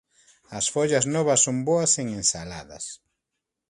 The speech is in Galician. As follas novas son boas en ensaladas.